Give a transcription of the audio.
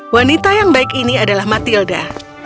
wanita yang baik ini adalah matilda